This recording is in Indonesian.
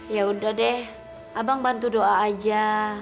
yaudah deh abang bantu doa aja